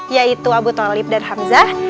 yaitu abu talib dan hamzah